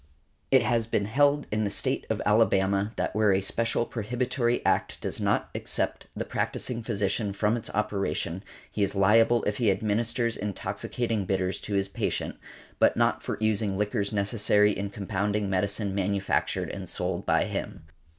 |148| It has been held in the State of Alabama, that where a special prohibitory Act does not except the practising physician from its operation, he is liable if he administers intoxicating bitters to his patient, but not for using liquors necessary in compounding medicine manufactured and sold by him.